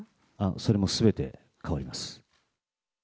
それもすべて変わります。